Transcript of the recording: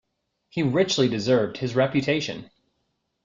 He richly deserved his reputation.